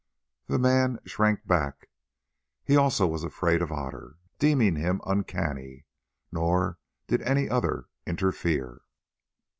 The man shrank back: he also was afraid of Otter, deeming him uncanny; nor did any other interfere.